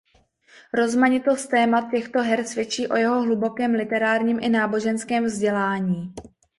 Rozmanitost témat těchto her svědčí o jeho hlubokém literárním i náboženském vzdělání.